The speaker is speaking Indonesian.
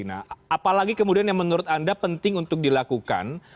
nah apalagi kemudian yang menurut anda penting untuk dilakukan